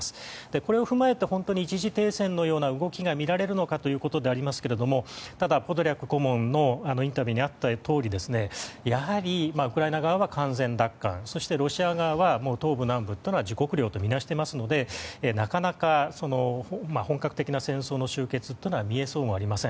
これを踏まえて一時停戦のような動きが見られるのかですがただ、ポドリャク顧問のインタビューであったようにウクライナ側は完全奪還そしてロシア側は東部、南部は自国領とみなしていますのでなかなか本格的な戦争の終結は見えそうもありません。